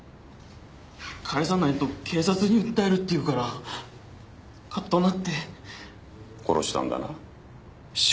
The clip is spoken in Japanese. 返さないと警察に訴えるって言うからカッとなって殺したんだな？